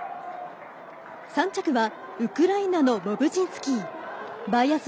３着はウクライナのボブチンスキー。